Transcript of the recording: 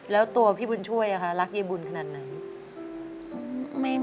แล้วตัวพี่บุญช่วยละคะรักเยี่ยมบุญขนาดไหน